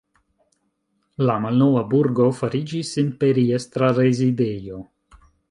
La malnova burgo fariĝis imperiestra rezidejo.